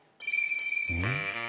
うん？